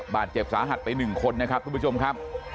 บาดเจ็บสาหัสไป๑คนนะครับทุกผู้ชมครับ